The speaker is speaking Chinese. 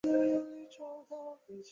古典拉丁语。